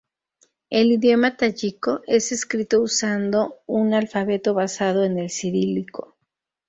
El idioma tayiko es escrito usando un alfabeto basado en el cirílico.